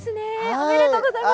おめでとうございます。